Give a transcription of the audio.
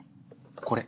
これ？